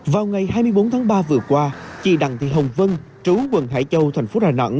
vào ngày hai mươi bốn tháng ba vừa qua chị đặng thị hồng vân chú quận hải châu thành phố đà nẵng